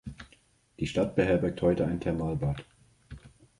Die Stadt beherbergt heute ein Thermalbad.